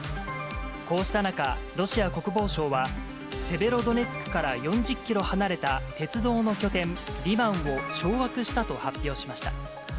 こうした中、ロシア国防省は、セベロドネツクから４０キロ離れた鉄道の拠点、リマンを掌握したと発表しました。